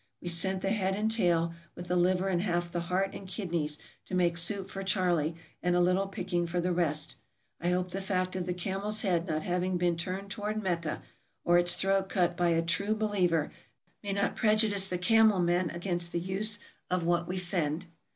We sent the head and tail, with the liver and half the heart and kidneys, to make soup for Charley, and a little picking for the rest. I hope the fact of the camel's head not having been turned toward Mecca, or its throat cut by a "True Be liever, '' may not prejudice the camel men against the use of what we send.